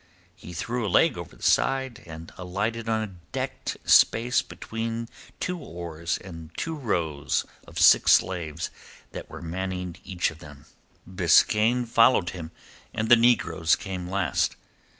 He threw a leg over the side, and alighted on a decked space between two oars and the two rows of six slaves that were manning each of them. Biskaine followed him and the negroes came last.